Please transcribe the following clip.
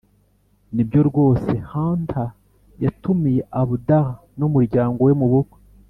nibyo rwose hunter yatumiye abdallah numuryango we mubukwe.